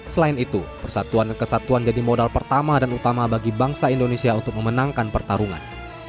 selain itu persatuan dan kesatuan jadi modal pertama dan utama bagi bangsa indonesia untuk memenangkan pertarungan